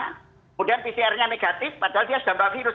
kemudian pcr nya negatif padahal dia sudah mbak virus